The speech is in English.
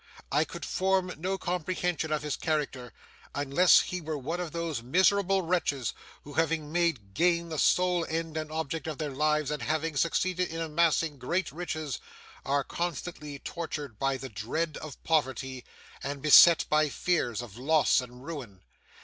I could form no comprehension of his character, unless he were one of those miserable wretches who, having made gain the sole end and object of their lives and having succeeded in amassing great riches, are constantly tortured by the dread of poverty, and beset by fears of loss and ruin.